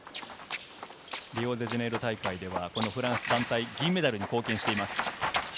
リオデジャネイロ大会ではこのフランス団体、銀メダルに貢献しています。